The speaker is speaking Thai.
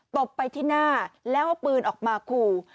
ตบไปที่หน้าแล้วปืนออกมากู